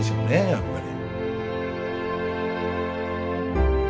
やっぱり。